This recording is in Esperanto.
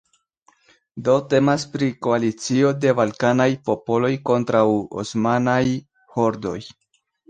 Do temas pri koalicio de balkanaj popoloj kontraŭ osmanaj hordoj.